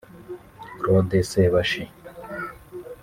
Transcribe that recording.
Claude Sebashi